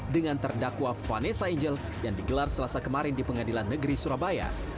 dengan terdakwa vanessa angel yang digelar selasa kemarin di pengadilan negeri surabaya